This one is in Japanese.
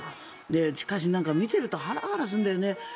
しかし、見てるとハラハラするんだよね。